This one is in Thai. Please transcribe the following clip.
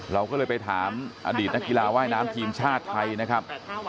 เราก็เลยไปถามอดีตนักกีฬาว่ายน้ำทีมชาติไทยนะครับ